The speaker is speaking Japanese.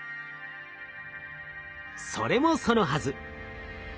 それもそのはず。